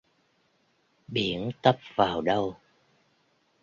Biển tấp vào đâu